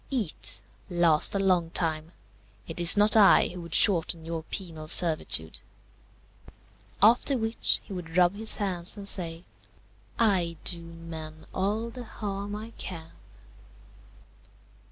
eat! last a long time! It is not I who would shorten your penal servitude." After which, he would rub his hands and say, "I do men all the harm I can."